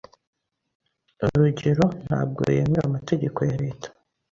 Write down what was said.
Urugerontabwo yemera Amategeko yareta